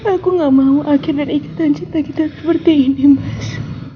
aku gak mau akhir dan ikatan cinta kita seperti ini mas